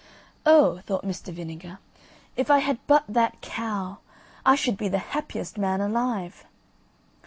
"Oh," thought Mr. Vinegar, "if I had but that cow, I should be the happiest, man alive."